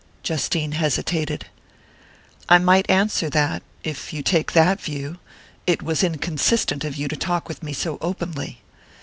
Justine hesitated. "I might answer that, if you take that view, it was inconsistent of you to talk with me so openly.